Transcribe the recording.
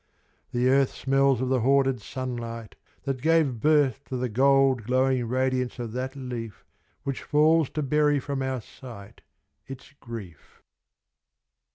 The earth Smells of the hoarded sunlight that gave birth To the gold glowing radiance of that leal Which falls to bury from our sight its grief.